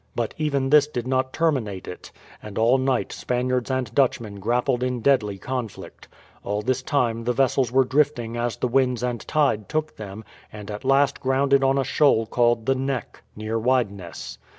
But even this did not terminate it; and all night Spaniards and Dutchmen grappled in deadly conflict. All this time the vessels were drifting as the winds and tide took them, and at last grounded on a shoal called The Neck, near Wydeness.